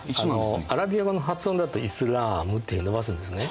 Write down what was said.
アラビア語の発音だと「イスラーム」って伸ばすんですね。